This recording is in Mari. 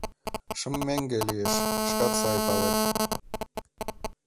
Шым меҥге лиеш, шкат сай палет.